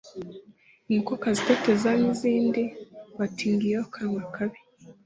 inkokokazi iteteza nk'izindi bati ngiyo kanwa kabi